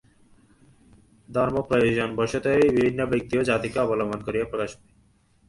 ধর্ম প্রয়োজনবশতই বিভিন্ন ব্যক্তি এবং জাতিকে অবলম্বন করিয়া প্রকাশ পায়।